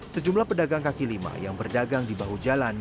sejumlah pedagang kaki lima yang berdagang di bahu jalan